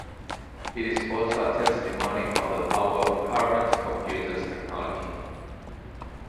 It is also a testimony of the power of current computer technology.